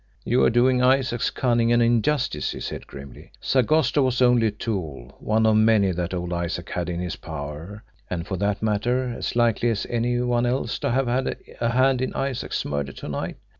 "You are doing Isaac's cunning an injustice," he said grimly. "Sagosto was only a tool, one of many that old Isaac had in his power and, for that matter, as likely as any one else to have had a hand in Isaac's murder to night.